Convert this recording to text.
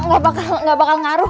nggak bakal ngaruh